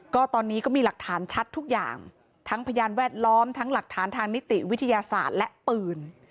ก็ตอนนี้ก็มีหลักฐานชัดทุกอย่างทั้งพยานแวดล้อมทั้งหลักฐานทางนิติวิทยาศาสตร์และปืน